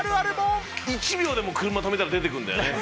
１秒でも車止めたら出てくるんだよね。